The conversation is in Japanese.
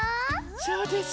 そうです。